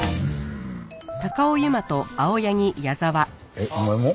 えっお前も？